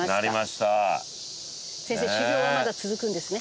先生修業はまだ続くんですね？